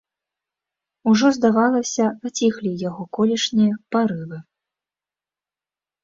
Ужо, здавалася, аціхлі яго колішнія парывы.